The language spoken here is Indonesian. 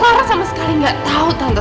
clara sama sekali gak tau tante